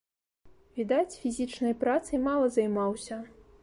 Відаць, фізічнай працай мала займаўся.